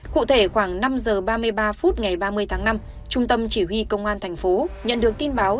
cụ thể khoảng năm giờ ba mươi ba phút ngày ba mươi tháng năm trung tâm chỉ huy công an thành phố nhận được tin báo